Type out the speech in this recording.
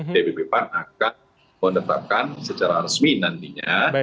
dpp pan akan menetapkan secara resmi nantinya